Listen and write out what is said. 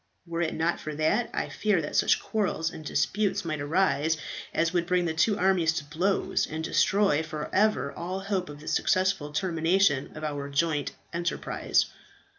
Were it not for that, I fear that such quarrels and disputes might arise as would bring the two armies to blows, and destroy for ever all hope of the successful termination of our joint enterprise."